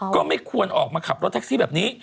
ก็ไม่ควรออกมาขับรถแท็กซี่แบบนี้